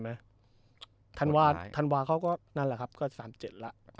เห็นไหมธันวาเขาก็นั่นแหละครับก็สามเจ็ดแล้ว